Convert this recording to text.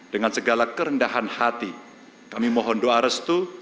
dengan segala kerendahan hati kami mohon doa restu